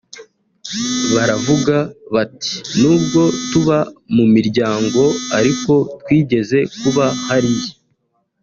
baravuga bati ‘nubwo tuba mu miryango ariko twigeze kuba hariya